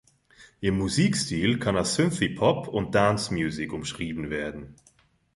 Ihr Musikstil kann als Synthie Pop und Dance-Musik umschrieben werden.